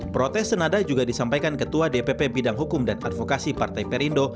protes senada juga disampaikan ketua dpp bidang hukum dan advokasi partai perindo